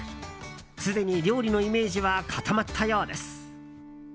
すでに料理のイメージは固まったようです。